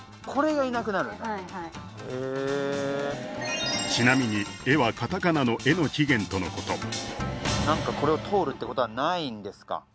これがいなくなるんだはいはいへえちなみに「江」はカタカナの「エ」の起源とのこと何かこれを通るってことはないんですか？